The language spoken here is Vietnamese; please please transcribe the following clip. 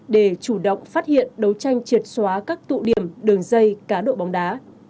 để chủ động phát hiện đấu tranh triệt xóa các tụ điểm đường dây cá độ bóng đá